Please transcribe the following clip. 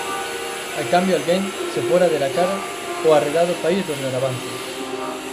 A cambio alguén se fora dela cara ó arredado país dos garavanzos.